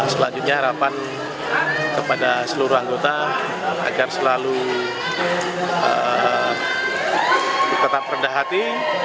selanjutnya harapan kepada seluruh anggota agar selalu tetap rendah hati